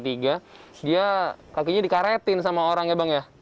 dia kakinya dikaretin sama orang ya bang ya